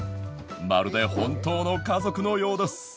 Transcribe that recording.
まるで本当の家族のようです